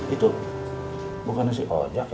itu bukan si ojak ya